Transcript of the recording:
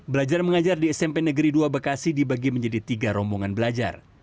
belajar mengajar di smp negeri dua bekasi dibagi menjadi tiga rombongan belajar